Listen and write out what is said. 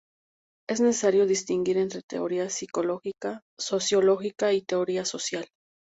Es necesario distinguir entre "Teoría sociológica" y "Teoría social".